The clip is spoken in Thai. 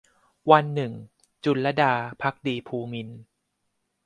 วันหนึ่ง - จุลลดา ภักดีภูมินทร์